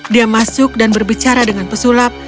dia masuk dan berbicara dengan pesulap